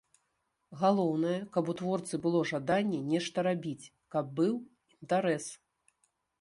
Галоўнае, каб у творцы было жаданне нешта рабіць, каб быў інтарэс.